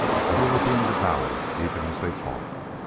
They were being devoured even as they fought.